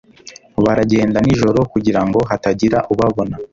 Baragenda nijoro kugirango hatagira ubabona